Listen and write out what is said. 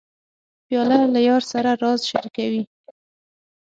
پیاله له یار سره راز شریکوي.